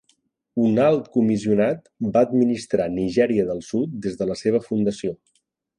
Un alt comissionat va administrar Nigèria del Sud des de la seva fundació.